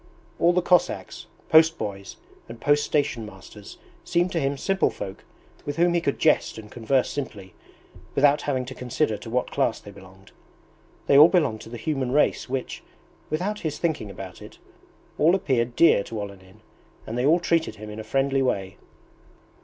All the Cossacks, post boys, and post station masters seemed to him simple folk with whom he could jest and converse simply, without having to consider to what class they belonged. They all belonged to the human race which, without his thinking about it, all appeared dear to Olenin, and they all treated him in a friendly way.